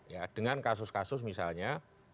ya dengan kasus kasus misalnya